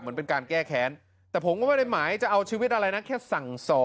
แมนผู้กินแขกแก้แค้นแต่ผมไม่ได้หมายจะเอาชีวิตอะไรนะ